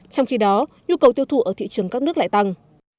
trong khi đó nhu cầu tiêu thụ ở thị trường các nước lại tăng